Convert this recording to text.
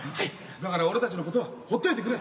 だから俺たちのことはほっといてくれ。